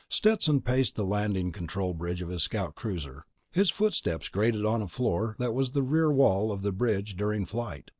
Stetson paced the landing control bridge of his scout cruiser. His footsteps grated on a floor that was the rear wall of the bridge during flight.